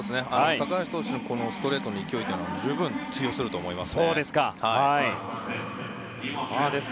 高橋投手のストレートの勢いというのは十分に通用すると思います。